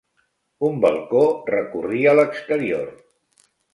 Un balcó recorria l'exterior.